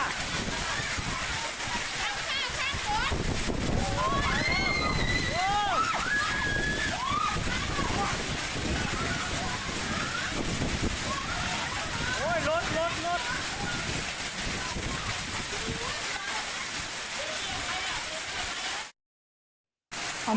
รังคา